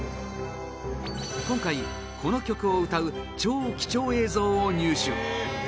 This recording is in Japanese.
今回、この曲を歌う超貴重映像を入手